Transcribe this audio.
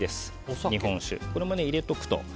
日本酒、これも入れておくと。